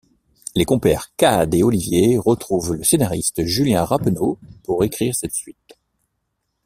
Les compères Kad et Olivier retrouvent le scénariste Julien Rappeneau pour écrire cette suite.